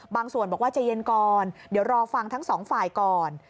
ส่วนบอกว่าใจเย็นก่อนเดี๋ยวรอฟังทั้งสองฝ่ายก่อน